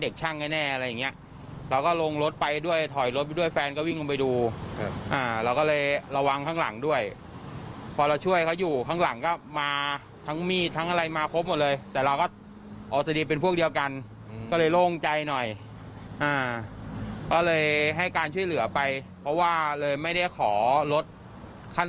ขั้นสูงมาเพราะว่ามันเป็นเหสุวิสัย